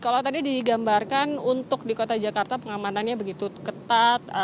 kalau tadi digambarkan untuk di kota jakarta pengamanannya begitu ketat